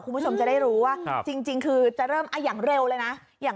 คุณผู้ชมจะได้รู้ว่าจริงอย่างเร็วนะ